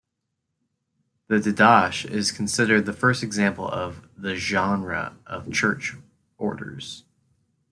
The Didache is considered the first example of the "genre" of Church Orders.